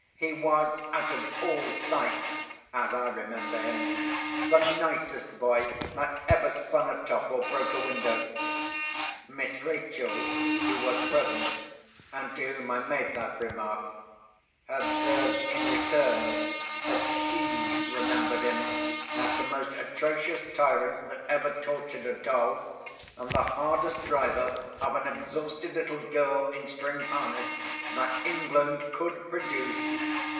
He was, out of all sight (as I remember him), the nicest boy that ever spun a top or broke a window. Miss Rachel, who was present, and to whom I made that remark, observed, in return, that she remembered him as the most atrocious tyrant that ever tortured a doll, and the hardest driver of an exhausted little girl in string harness that England could produce.